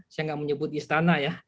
saya nggak menyebut istana ya